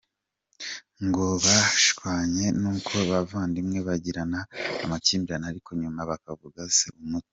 Ngo bashwanye nk’uko n’abavandimwe bagirana amakimbirane ariko nyuma bavuguse umuti.